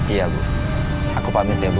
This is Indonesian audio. iya bu aku pamit ya bu